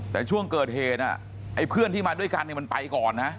แต่ช่วงเกิดเหตุไอ้เพื่อนที่มาด้วยกันเนี่ยมันไปก่อนนะ